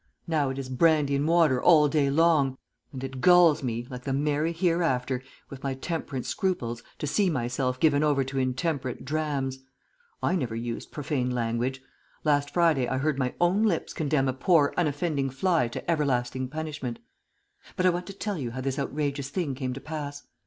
Now it is brandy and water all day long, and it galls me, like the merry hereafter, with my temperance scruples, to see myself given over to intemperate drams. I never used profane language. Last Friday I heard my own lips condemn a poor unoffending fly to everlasting punishment. But I want to tell you how this outrageous thing came to pass.